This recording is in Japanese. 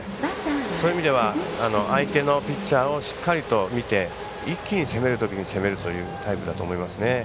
そういう意味では相手のピッチャーをしっかりと見て一気に攻めるときに攻めるというタイプだと思いますね。